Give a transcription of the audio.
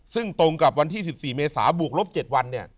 ซึ่งตรงกับวันที่๑๔เมษาบวกลบ๗วัน